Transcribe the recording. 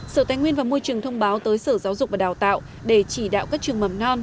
sở tài nguyên và môi trường thông báo tới sở giáo dục và đào tạo để chỉ đạo các trường mầm non